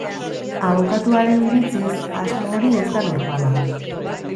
Abokatuaren iritziz, asmo hori ez da normala.